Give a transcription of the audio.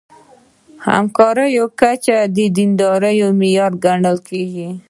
همکارۍ کچه د دیندارۍ معیار ګڼل کېږي.